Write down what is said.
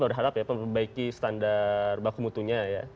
pemerintah daerah harus memperbaiki standar baku mutunya ya